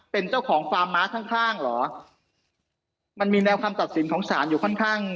เป็นเจ้าของฟาร์มม้าข้างข้างเหรอมันมีแนวคำตัดสินของศาลอยู่ค่อนข้าง